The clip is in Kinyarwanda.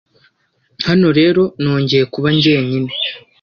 Hano rero nongeye kuba jyenyine